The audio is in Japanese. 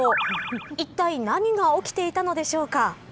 いったい何が起きていたのでしょうか。